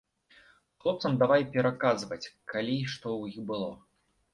Хлопцам давай пераказваць, калі й што ў іх было.